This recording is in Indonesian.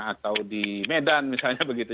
atau di medan misalnya begitu